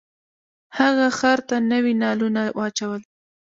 هغه خر ته نوي نالونه واچول.